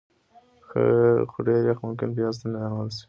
خو ډېر یخ ممکن پیاز ته زیان ورسوي.